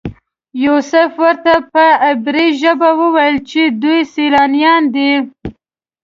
یوسف ورته په عبري ژبه وویل چې دوی سیلانیان دي.